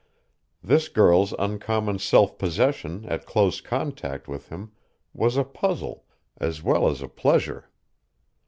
This girl's uncommon self possession at close contact with him was a puzzle as well as a pleasure.